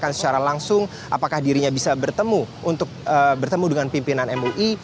dan secara langsung apakah dirinya bisa bertemu dengan pimpinan mui